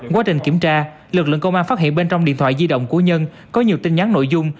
quá trình kiểm tra lực lượng công an phát hiện bên trong điện thoại di động của nhân có nhiều tin nhắn nội dung